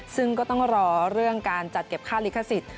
ซึ่งก็ต้องรอเรื่องการจัดเก็บค่าลิขสิทธิ